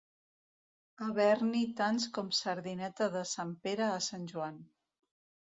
Haver-n'hi tants com sardineta de Sant Pere a Sant Joan.